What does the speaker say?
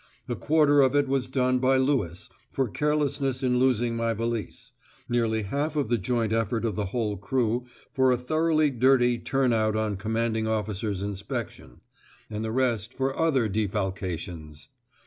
A quarter of it was done by Lewis, for carelessness in losing my valise; nearly half by the joint effort of the whole crew for a thoroughly dirty turn out on commanding officer's inspection; and the rest for various other defalcations!